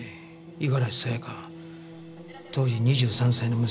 五十嵐さやか当時２３歳の娘さんだ。